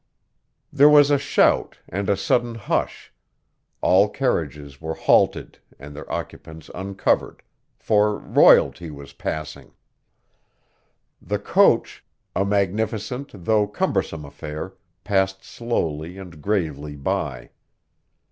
There was a shout, and a sudden hush; all carriages were halted and their occupants uncovered, for royalty was passing. The coach, a magnificent though cumbersome affair, passed slowly and gravely by.